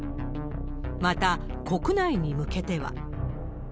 また、国内に向けては。